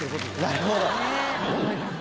なるほど。